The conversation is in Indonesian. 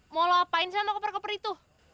mau lo apain sama koper koper itu